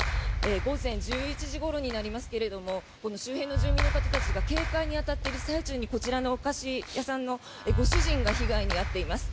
午前１１時ごろになりますけれどこの周辺の住民の方たちが警戒に当たっている最中にこちらのお菓子屋さんのご主人が被害に遭っています。